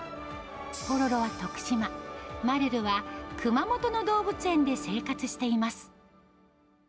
ポロロは徳島、マルルは熊本の動物園で生活しています。